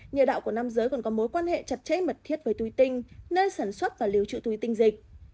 niệu đạo của nam giới còn có mối quan hệ chặt chẽ mật thiết với tuy tinh nên sản xuất và lưu trữ tuy tinh dịch